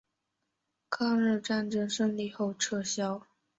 抗日战争胜利后撤销。